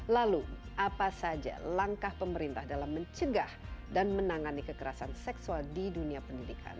lalu apa saja langkah pemerintah dalam mencegah dan menangani kekerasan seksual di dunia pendidikan